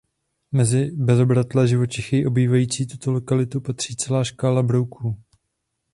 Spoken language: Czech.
Mezi bezobratlé živočichy obývající tuto lokalitu patří celá škála brouků.